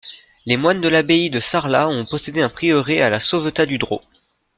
Les moines de l'abbaye de Sarlat ont possédé un prieuré à la Sauvetat-du-Dropt.